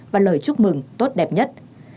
và lời chúc mừng tốt đẹp nhất